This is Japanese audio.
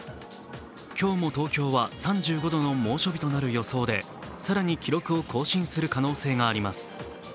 今日も東京は３５度の猛暑日となる予想で更に記録を更新する可能性があります。